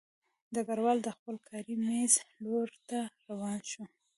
ډګروال د خپل کاري مېز لور ته روان شو